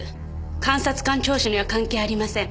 監察官聴取には関係ありません。